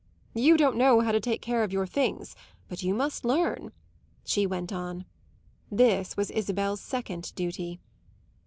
"You don't know how to take care of your things, but you must learn," she went on; this was Isabel's second duty.